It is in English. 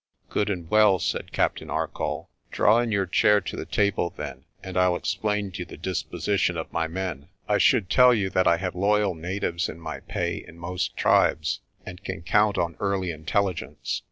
"Good and well," said Captain Arcoll. "Draw in your chair to the table, then, and Pll explain to you the disposi tion of my men. I should tell you that I have loyal natives in my pay in most tribes, and can count on early intelligence.